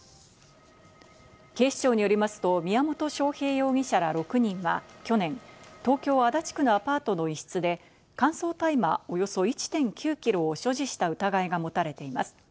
警視庁によりますと、宮本晶平容疑者ら６人は去年、東京・足立区のアパートの一室で乾燥大麻およそ１．９キロを所持した疑いが持たれています。